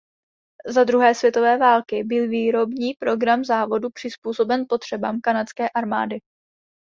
Za druhé světové války byl výrobní program závodu přizpůsoben potřebám kanadské armády.